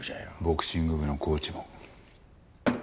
ボクシング部のコーチも。